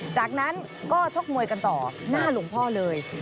จากนั้นก็ชกมวยกันต่อหน้าหลวงพ่อเลย